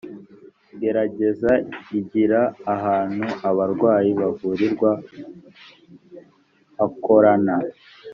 gereza igira ahantu abarwayi bavurirwa hakorana